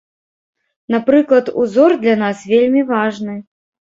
Напрыклад, узор для нас вельмі важны.